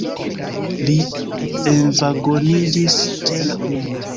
Li envagoniĝis ĉe la unua.